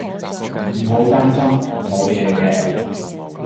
唔好擔心，無嘢嘅